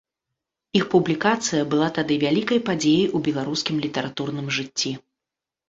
Іх публікацыя была тады вялікай падзеяй у беларускім літаратурным жыцці.